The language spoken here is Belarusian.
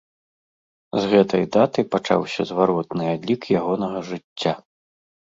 З гэтай даты пачаўся зваротны адлік ягонага жыцця.